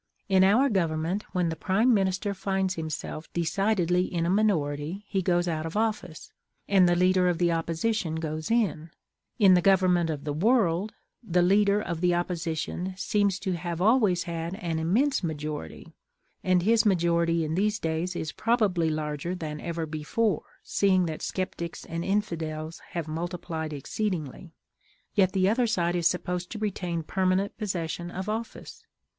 In our government, when the Prime Minister finds himself decidedly in a minority, he goes out of office, and the Leader of the Opposition goes in; in the Government of the World the Leader of the Opposition seems to have always had an immense majority (and his majority in these days is probably larger than ever before, seeing that sceptics and infidels have multiplied exceedingly), yet the other side is supposed to retain permanent possession of office.